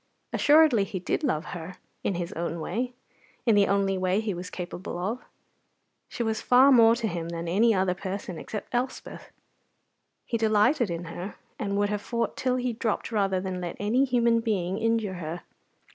Assuredly he did love her in his own way, in the only way he was capable of. She was far more to him than any other person except Elspeth. He delighted in her, and would have fought till he dropped rather than let any human being injure her.